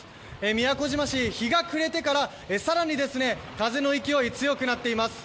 宮古島市日が暮れてから更に風の勢いが強くなっています。